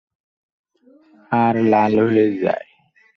আর লাল হয়ে যায়।